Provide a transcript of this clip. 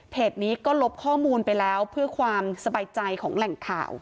นี้ก็ลบข้อมูลไปแล้วเพื่อความสบายใจของแหล่งข่าว